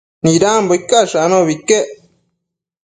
Nidambo icash anobi iquec